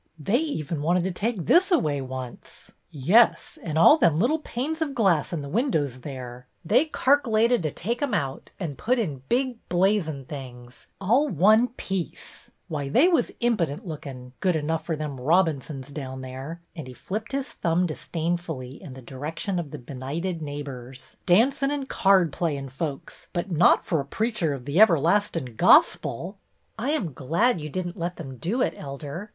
" They even wanted to take this away once. Yes, and all them little panes of glass in the windows there ! They carcTated to take 'em out and put in big blazin' things, all one piece. Why, they was impident lookin', good enough for them Robinsons down there —" and he flipped his thumb disdainfully in the direction of the benighted neighbors, "— dancin' and card playin' folks, but not for a preacher of the everlastin' gospel." " I am glad you did n't let them do it. Elder.